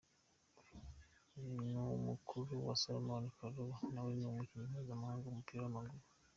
Ni mukuru wa Salomon Kalou, na we w'umukinnyi mpuzamahanga w'umupira w'amaguru.